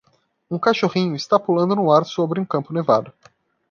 Um cachorrinho está pulando no ar sobre um campo nevado.